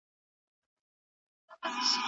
تیارو ډک!